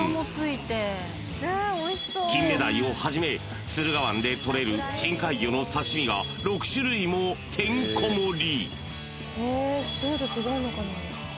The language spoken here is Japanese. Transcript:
［キンメダイをはじめ駿河湾で取れる深海魚の刺し身が６種類もてんこ盛り］